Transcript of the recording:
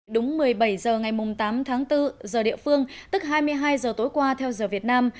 đúng một mươi bảy h ngày tám tháng bốn giờ địa phương tức hai mươi hai h tối qua theo giờ việt nam